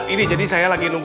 ini jadi saya lagi nunggu